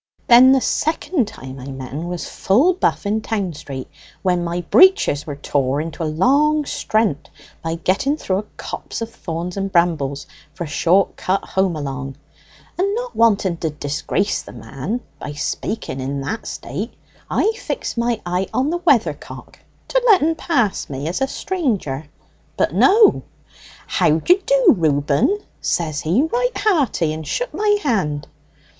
Then the second time I met en was full buff in town street, when my breeches were tore into a long strent by getting through a copse of thorns and brimbles for a short cut home along; and not wanting to disgrace the man by spaking in that state, I fixed my eye on the weathercock to let en pass me as a stranger. But no: 'How d'ye do, Reuben?' says he, right hearty, and shook my hand.